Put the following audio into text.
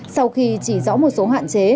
sau khi chỉ rõ một số hạn chế